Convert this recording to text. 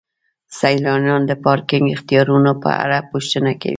سیلانیان د پارکینګ اختیارونو په اړه پوښتنه کوي.